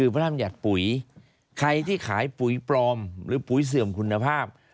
พระรามยกบุ๋ยใครที่ขายบุ๋ยปลอมหรือบุ๋ยเสื่อมคุณภาพ